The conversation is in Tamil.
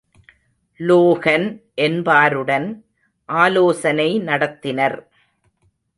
லோகன் என்பாருடன் ஆலோசனை நடத்தினர்.